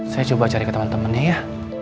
saya coba cari temen temennya ya